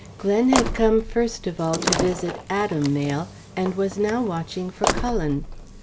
Glen had come first of all to visit Adam Mayle, and was now watching for Cullen.